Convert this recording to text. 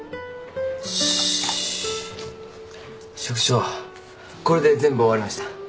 職長これで全部終わりました。